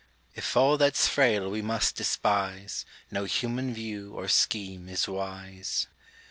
If all that's frail we must despise, No human view or scheme is wise.